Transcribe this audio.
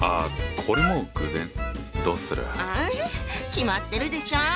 決まってるでしょ！